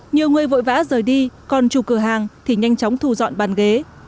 nhiều người vội vã rời đi còn chủ cửa hàng thì nhanh chóng thù dọn bàn ghế